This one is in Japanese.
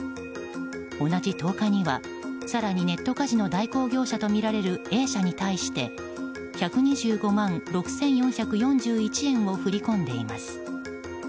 同じ１０日は、更にネットカジノ代行業者とみられるＡ社に対して１２５万６４４１円を振り込んでいます。